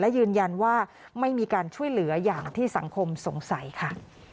และยืนยันว่าไม่มีการช่วยเหลืออย่างที่สังคมสงสัยค่ะ